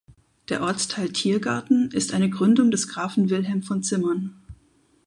Der Ortsteil Thiergarten ist eine Gründung des Grafen Wilhelm von Zimmern.